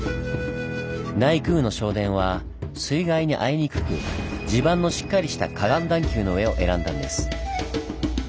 内宮の正殿は水害に遭いにくく地盤のしっかりした河岸段丘の上を選んだんです。